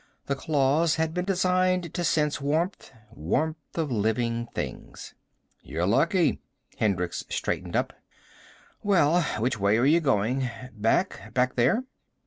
The claws had been designed to sense warmth, warmth of living things. "You're lucky." Hendricks straightened up. "Well? Which way are you going? Back back there?"